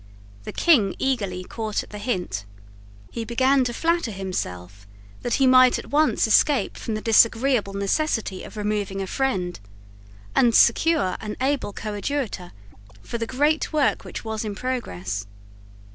The King eagerly caught at the hint. He began to flatter himself that he might at once escape from the disagreeable necessity of removing a friend, and secure an able coadjutor for the great work which was in progress.